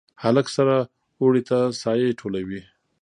هلک سره اوړي ته سایې ټولوي